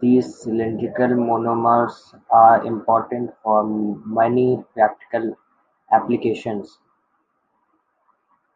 These cyclic monomers are important for many practical applications.